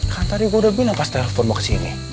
kan tadi gue udah bilang pas telepon mau kesini